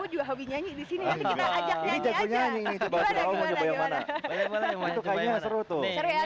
oke lah tapi saya juga penasaran prabowo penasaran gak sih mau nyobain alat alat yang ada disini